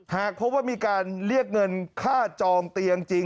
หากพบว่ามีการเรียกเงินค่าจองเตียงจริง